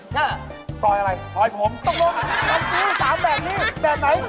ใช่ซอยอะไรซอยผมตรงนั้นซัลซิล๓แบบนี้แบบไหน